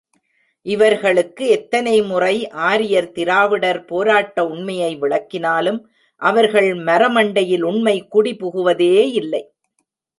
இவர்களுக்கு எத்தனை முறை ஆரியர் திராவிடர் போராட்ட உண்மையை விளக்கினாலும், அவர்கள் மரமண்டையில் உண்மை குடி புகுவதேயில்லை.